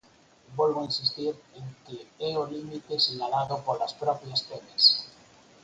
Volvo insistir en que é o límite sinalado polas propias pemes.